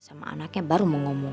sama anaknya baru mau ngomong